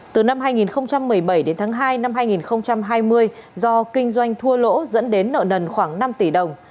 từ năm hai nghìn một mươi bảy đến tháng hai năm hai nghìn hai mươi do kinh doanh thua lỗ dẫn đến nợ nần khoảng năm tỷ đồng